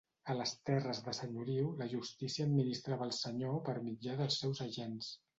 A les terres de senyoriu, la justícia l'administrava el senyor per mitjà dels seus agents.